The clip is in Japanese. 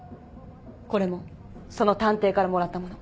これもその探偵からもらったもの。